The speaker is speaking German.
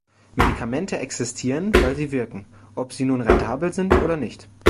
Medikamente existieren, weil sie wirken, ob sie nun rentabel sind oder nicht.